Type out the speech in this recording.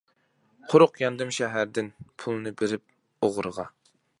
قۇرۇق ياندىم شەھەردىن، پۇلنى بېرىپ ئوغرىغا.